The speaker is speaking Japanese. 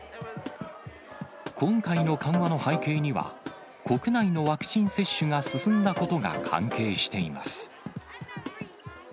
今回の緩和の背景には、国内のワクチン接種が進んだことが関係しています。